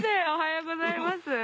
おはようございます。